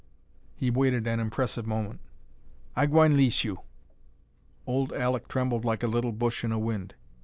He waited an impressive moment. "I gwine 'lease you!" Old Alek trembled like a little bush in a wind.